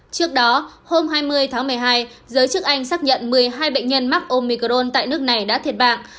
trước đó hôm hai mươi tháng một mươi hai giới chức anh xác nhận một mươi hai bệnh nhân mắc omicron tại nước này đã thiệt mạng